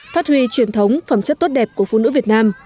phát huy truyền thống phẩm chất tốt đẹp của phụ nữ việt nam